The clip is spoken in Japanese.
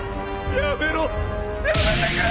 やめろやめてくれ！